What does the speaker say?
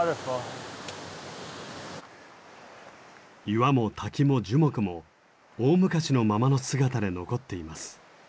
岩も滝も樹木も大昔のままの姿で残っています。